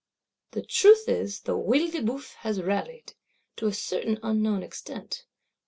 The truth is, the Œil de Bœuf has rallied; to a certain unknown extent.